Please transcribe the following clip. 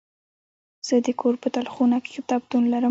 زه د کور په تلخونه کې کتابتون لرم.